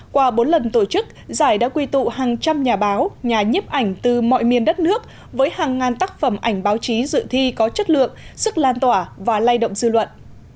qua bốn lần tổ chức giải đã quy tụ hàng trăm nhà báo nhà nhếp ảnh từ mọi miền đất nước với hàng ngàn tác phẩm ảnh báo chí dự thi có chất lượng sức lan tỏa và lay động dư luận